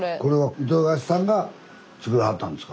伊藤菓子さんが作らはったんですか？